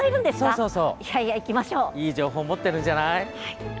そうそういい情報持ってるんじゃない？